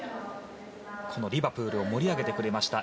リバプールを盛り上げてくれました。